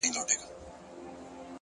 د زړه سکون له رښتینولۍ زېږي!